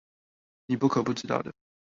你不可不知道的